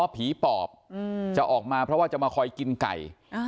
ผีปอบจะออกมาเพราะว่าจะมาคอยกินไก่